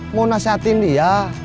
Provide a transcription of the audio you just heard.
mau nasihatin dia